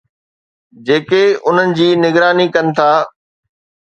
جيڪي انهن جي نگراني ڪن ٿا